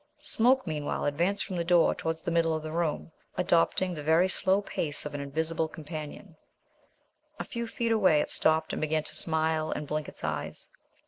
Smoke, meanwhile, advanced from the door towards the middle of the room, adopting the very slow pace of an invisible companion. A few feet away it stopped and began to smile and blink its eyes.